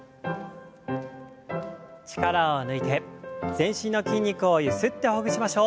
力を抜いて全身の筋肉をゆすってほぐしましょう。